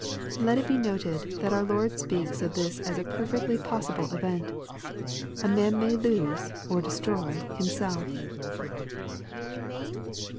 ] Let it be noted, that our Lord speaks of this as a perfectly possible event A man may lose or destroy himself.